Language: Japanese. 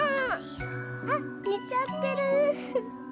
あっねちゃってる。